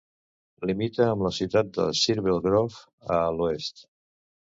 Limita amb la ciutat de Silver Grove a l'oest.